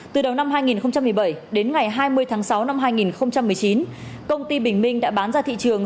từ đầu năm hai nghìn một mươi bảy đến ngày hai mươi tháng sáu năm hai nghìn một mươi chín công ty bình minh đã bán ra thị trường